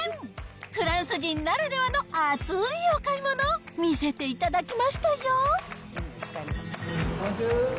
フランス人ならではのあつーいお買い物を見せていただきましたよ。